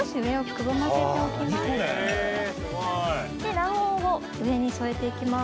卵黄を上に添えて行きます。